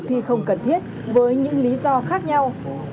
khi không cần thiết với những lý do khác nhau